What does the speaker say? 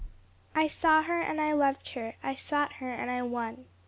"I saw her, and I loved her I sought her, and I won."